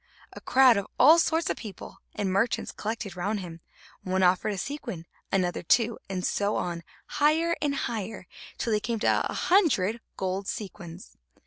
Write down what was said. A crowd of all sorts of people and merchants collected round him; one offered a sequin, another two, and so on, higher and higher, till they came to a hundred gold sequins.